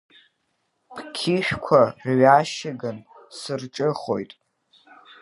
Бқьышәқәа рҩашьыган сырҿыхәоит!